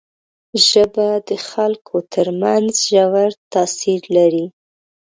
ژبه د خلکو تر منځ ژور تاثیر لري